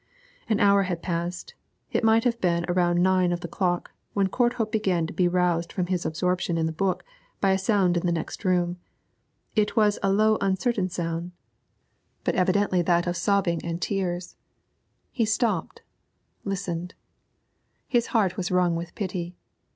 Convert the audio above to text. An hour passed it might have been about nine of the clock when Courthope began to be roused from his absorption in the book by a sound in the next room. It was a low uncertain sound, but evidently that of sobbing and tears. He stopped, listened; his heart was wrung with pity.